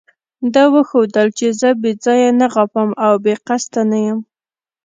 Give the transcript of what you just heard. ده وښودل چې زه بې ځایه نه غاپم او بې قصده نه یم.